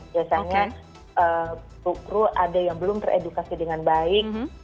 biasanya buku buku ada yang belum teredukasi dengan baik